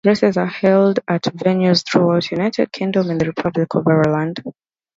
Races are held at venues throughout United Kingdom and the Republic of Ireland.